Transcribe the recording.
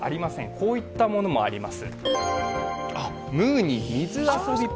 こういったものもあります。